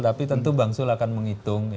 tapi tentu bang zul akan menghitung